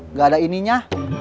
nggak ada ininya